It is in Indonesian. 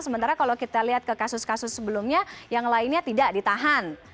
sementara kalau kita lihat ke kasus kasus sebelumnya yang lainnya tidak ditahan